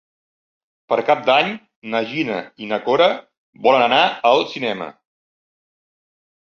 Per Cap d'Any na Gina i na Cora volen anar al cinema.